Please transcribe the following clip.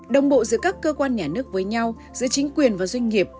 đồng bộ giữa các cơ quan nhà nước với nhau giữa chính quyền và doanh nghiệp